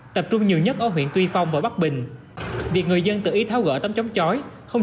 tập trung nhiều nhất ở huyện tuy phong và bắc bình việc người dân tự ý tháo gỡ tấm chống chói không